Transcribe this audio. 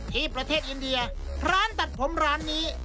ที่ประเทศอินเดียร้านตัดผมร้านนี้